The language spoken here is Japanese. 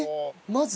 まず？